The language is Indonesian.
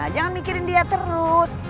jangan mikirin dia terus